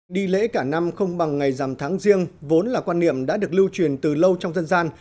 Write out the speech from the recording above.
đi lễ cả năm không bằng ngày dằm tháng riêng vốn là quan niệm đã được lưu truyền từ lâu trong dân gian